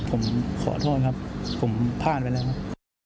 ผมขอโทษครับผมพลาดไปแล้วครับ